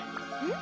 ん？